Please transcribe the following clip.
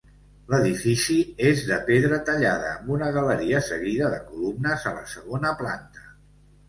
L'edifici és de pedra tallada, amb una galeria seguida de columnes a la segona planta.